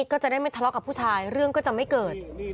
ก็จะได้ไม่ทะเลาะกับผู้ชายเรื่องก็จะไม่เกิด